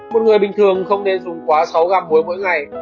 một người bình thường không nên sử dụng quá sáu g muối mỗi ngày